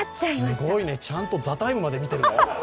すごいね、ちゃんと、「ＴＨＥＴＩＭＥ，」まで見てるの？